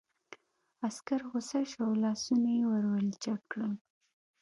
عسکر غوسه شو او لاسونه یې ور ولچک کړل